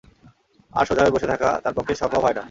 আর সোজা হয়ে বসে থাকা তার পক্ষে সম্ভব হয় না।